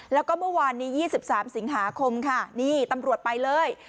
แล้วก็เมื่อวานนี้๒๓สิงหาคมค่ะนี่ตำรวจไปเลย